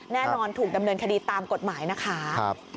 แน่นอนถูกดำเนินคดีตามกฎหมายนะคะ